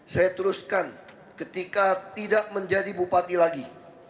saya teruskan ketika tidak menjadi bupati lagi